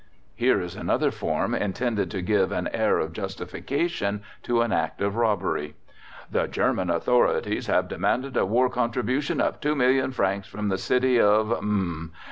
Here is another form, intended to give an air of justification to an act of robbery: "The German authorities, having demanded a war contribution of two million francs from the city of M.........